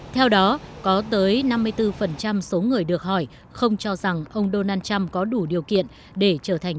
theo đó có tới năm mươi bốn số người được hỏi không cho rằng ông donald trump có đủ điều kiện để trở thành